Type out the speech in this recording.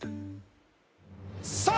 さあ